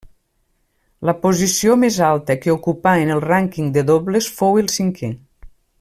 La posició més alta que ocupà en el rànquing de dobles fou el cinquè.